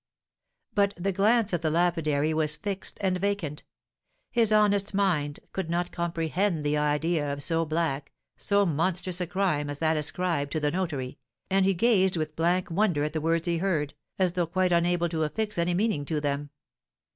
But the glance of the lapidary was fixed and vacant; his honest mind could not comprehend the idea of so black, so monstrous a crime as that ascribed to the notary, and he gazed with blank wonder at the words he heard, as though quite unable to affix any meaning to them.